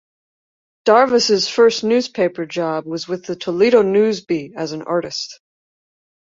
Darvas's first newspaper job was with the Toledo News Bee as an artist.